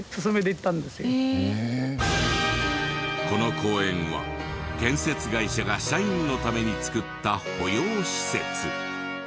この公園は建設会社が社員のために作った保養施設。